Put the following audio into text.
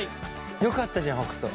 よかったじゃん北斗。